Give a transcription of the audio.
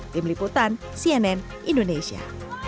tim liputan cnn indonesia